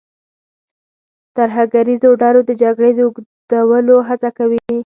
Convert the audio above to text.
ترهګریزو ډلو د جګړې د اوږدولو هڅه کوي.